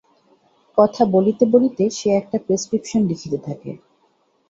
কথা বলিতে বলিতে সে একটা প্রেসক্রিপশন লিখিতে থাকে।